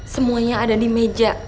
semuanya ada di meja